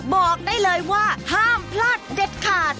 บอกได้เลยว่าห้ามพลาดเด็ดขาด